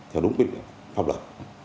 theo đúng quyền pháp luật